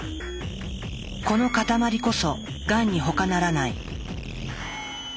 この塊こそがんにほかならない。